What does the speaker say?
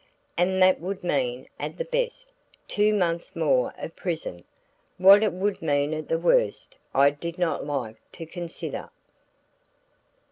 And that would mean, at the best, two months more of prison. What it would mean at the worst I did not like to consider.